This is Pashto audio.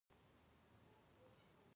غوږونه له خندا ډک غږ خوښوي